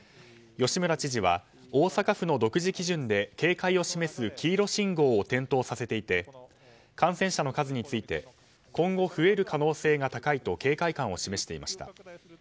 吉村知事は大阪府の独自基準で警戒を示す黄色信号を点灯させていて感染者の数について今後増える可能性が高いと警戒感を示していました。